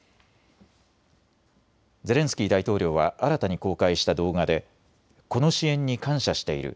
ゼレンスキー大統領は新たに公開した動画でこの支援に感謝している。